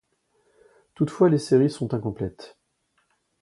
Toutefois les séries sont incomplètes.